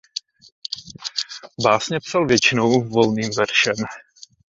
Básně psal většinou volným veršem.